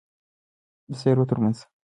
د سیارو ترمنځ دوړې ذرات هم موجود دي.